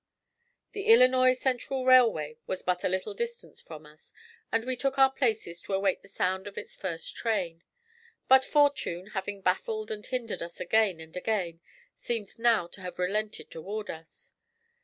The Illinois Central Railway was but a little distance from us, and we took our places to await the sound of its first train. But fortune, having baffled and hindered us again and again, seemed now to have relented toward us.